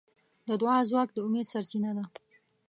د دعا ځواک د امید سرچینه ده.